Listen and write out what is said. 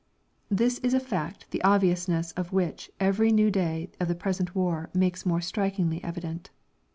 This is a fact the obviousness of which every new day of the present war makes more strikingly evident.